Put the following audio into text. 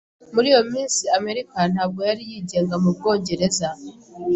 Muri iyo minsi, Amerika ntabwo yari yigenga mu Bwongereza.